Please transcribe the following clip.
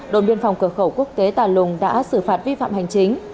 đồn biên phòng cửa khẩu quốc tế tà lùng đã xử phạt vi phạm hành chính